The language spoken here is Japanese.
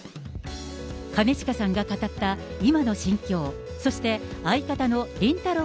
兼近さんが語った今の心境、そして、相方のりんたろー。